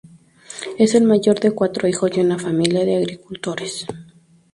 Es el mayor de cuatro hijos de una familia de agricultores.